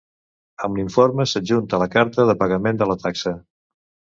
Amb l'informe s'adjunta la carta de pagament de la taxa.